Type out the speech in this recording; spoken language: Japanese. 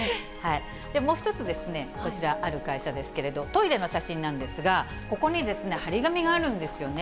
もう１つこちら、ある会社ですけれども、トイレの写真なんですが、ここに貼り紙があるんですよね。